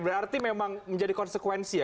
berarti memang menjadi konsekuensi ya